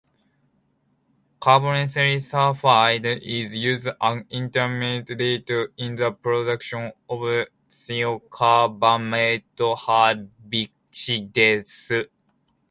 Carbonyl sulfide is used as an intermediate in the production of thiocarbamate herbicides.